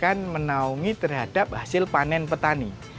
akan menaungi terhadap hasil panen petani